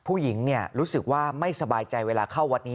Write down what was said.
รู้สึกว่าไม่สบายใจเวลาเข้าวัดนี้